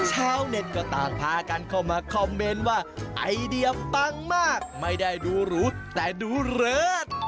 ชาวเน็ตก็ต่างพากันเข้ามาคอมเมนต์ว่าไอเดียปังมากไม่ได้ดูหรูแต่ดูเลิศ